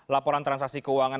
laporan transaksi keuangan